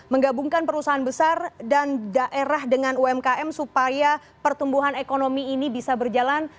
menggabungkan perusahaan besar dan daerah dengan umkm supaya pertumbuhan ekonomi ini bisa berjalan